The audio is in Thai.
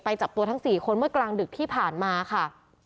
จับตัวทั้ง๔คนเมื่อกลางดึกที่ผ่านมาค่ะ